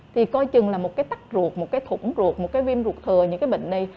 thì coi chừng là một cái tắc ruột một cái thủng ruột một cái viêm ruột thừa những cái bệnh này